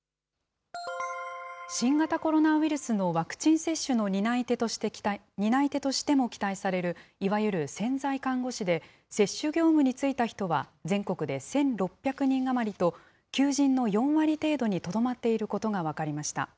新型コロナウイルスのワクチン接種の担い手としても期待されるいわゆる潜在看護師で、接種業務に就いた人は全国で１６００人余りと、求人の４割程度にとどまっていることが分かりました。